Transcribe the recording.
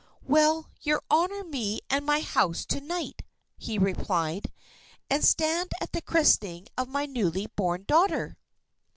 "Will you honour me and my house, to night," he replied, "and stand at the christening of my newly born daughter?"